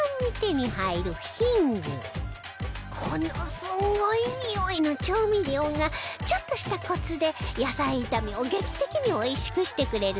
このすごいにおいの調味料がちょっとしたコツで野菜炒めを劇的においしくしてくれるそう